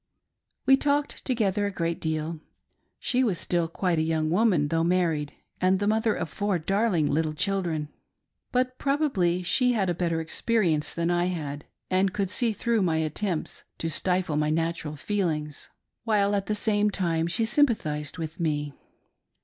We talked together a great deal. She was still quite a young woman, though married, and the mother of four darling little children ; but probably she had a better experience than I had and could see through my attempts to stifle my natural feelings, while at the same time she sympathised with me.